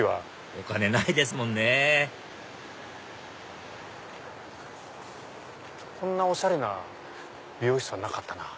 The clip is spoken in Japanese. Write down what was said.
お金ないですもんねこんなおしゃれな美容室はなかったな。